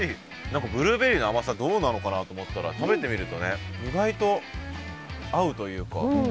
何かブルーベリーの甘さどうなのかなって思ったら食べてみるとね意外と合うというか。